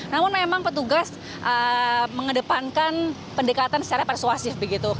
namun memang petugas mengedepankan pendekatan secara persuasif begitu